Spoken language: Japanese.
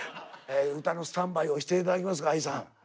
歌のスタンバイをして頂きますかＡＩさん。